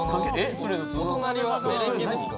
このお隣はメレンゲですか？